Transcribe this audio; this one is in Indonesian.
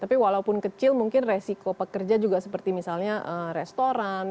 tapi walaupun kecil mungkin resiko pekerja juga seperti misalnya restoran